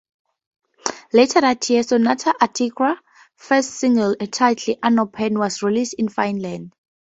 Later that year, Sonata Arctica's first single, entitled "UnOpened" was released in Finland.